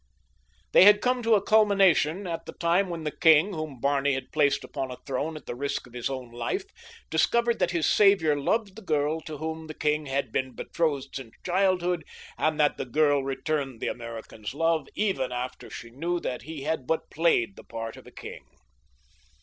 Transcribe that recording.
They had come to a culmination at the time when the king, whom Barney had placed upon a throne at the risk of his own life, discovered that his savior loved the girl to whom the king had been betrothed since childhood and that the girl returned the American's love even after she knew that he had but played the part of a king.